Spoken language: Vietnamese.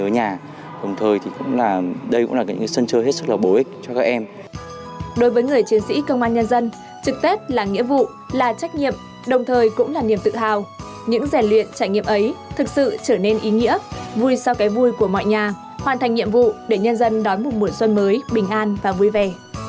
những rèn luyện trải nghiệm ấy thực sự trở nên ý nghĩa vui sau cái vui của mọi nhà hoàn thành nhiệm vụ để nhân dân đón một mùa xuân mới bình an và vui vẻ